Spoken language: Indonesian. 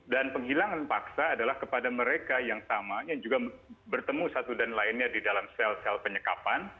dan penghilangan paksa adalah kepada mereka yang sama yang juga bertemu satu dan lainnya di dalam sel sel penyekapan